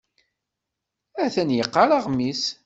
Atan yeqqar aɣmis.